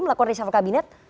melakukan resafah kabinet